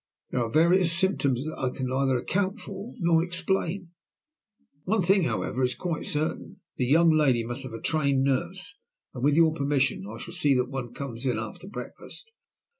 There are various symptoms that I can neither account for nor explain. One thing, however, is quite certain the young lady must have a trained nurse, and, with your permission, I will see that one comes in after breakfast.